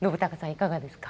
いかがですか？